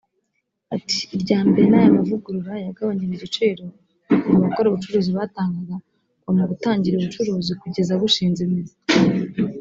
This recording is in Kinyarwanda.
Ati “Irya mbere ni aya mavugurura yagabanyije igiciro abakora ubucuruzi batangaga kuva mu gutangira ubucuruzi kugeza bushinze imizi